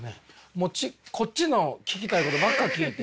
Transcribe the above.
もうこっちの聞きたいことばっか聞いて。